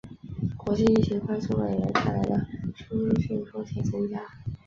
国际疫情快速蔓延带来的输入性风险增加